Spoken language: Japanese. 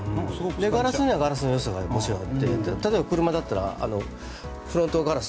ガラスにはガラスのよさがもちろんあって例えばガラスだったらフロントガラス